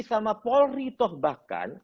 sama paul ritoch bahkan